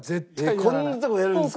こんなとこやるんですか？